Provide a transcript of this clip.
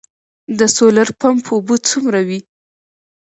د سولر پمپ اوبه څومره وي؟